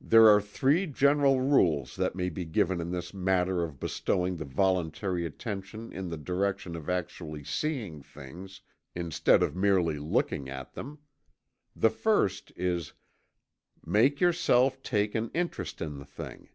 There are three general rules that may be given in this matter of bestowing the voluntary attention in the direction of actually seeing things, instead of merely looking at them. The first is: Make yourself take an interest in the thing.